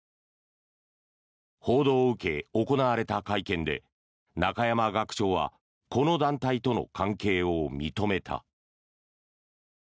報道を受け、行われた会見で中山学長はこの団体との関係を認めた。